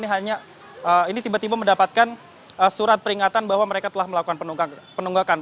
ini hanya ini tiba tiba mendapatkan surat peringatan bahwa mereka telah melakukan penunggakan